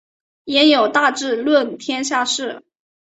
焉有大智论天下事！